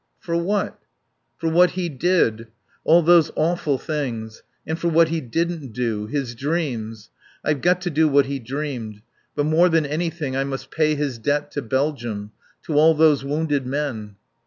"For what?" "For what he did. All those awful things. And for what he didn't do. His dreams. I've got to do what he dreamed. But more than anything I must pay his debt to Belgium. To all those wounded men."